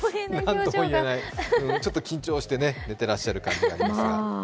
ちょっと緊張して寝てらっしゃる感じがしますが。